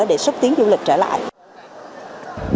để xuất tiến du lịch trên đường